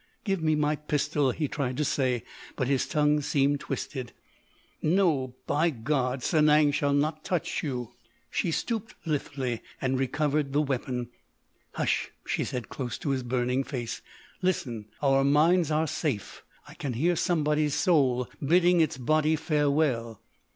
"Give me my pistol," he tried to say, but his tongue seemed twisted. "No—by God—Sanang shall not touch you." She stooped lithely and recovered the weapon. "Hush," she said close to his burning face. "Listen. Our minds are safe! I can hear somebody's soul bidding its body farewell!"